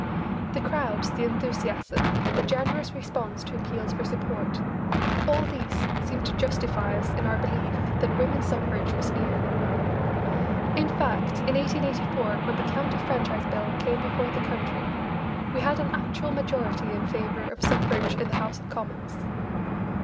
The crowds, the enthusiasm, the generous response to appeals for support, all these seemed to justify us in our belief that women's suffrage was near. In fact, in 1884, when the County Franchise Bill came before the country, we had an actual majority in favour of suffrage in the House of Commons.